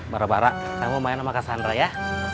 bara bara kamu main sama kak sandra ya